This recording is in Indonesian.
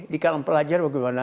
di kalangan pelajar bagaimana